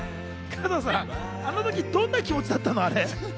加藤さん、あの時どんな気持ちだったの？